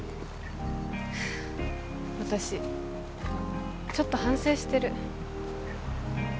私ちょっと反省してる